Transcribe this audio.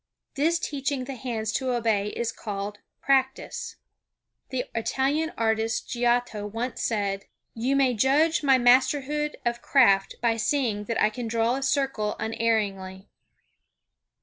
This teaching the hands to obey is called Practice. The Italian artist, Giotto, once said: "You may judge my masterhood of craft by seeing that I can draw a circle unerringly."